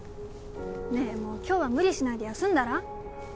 ねえもう今日は無理しないで休んだら？